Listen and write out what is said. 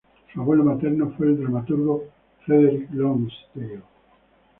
Su abuelo materno fue el dramaturgo Frederick Lonsdale.